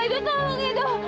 aduh kan aku berdarah